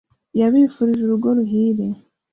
yabifurije urugo ruhire